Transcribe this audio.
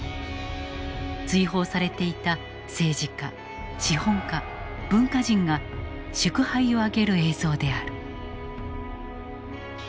追放されていた政治家資本家文化人が祝杯を挙げる映像である。